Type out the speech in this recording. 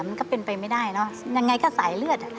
มันก็เป็นไปไม่ได้เนอะยังไงก็สายเลือดอ่ะ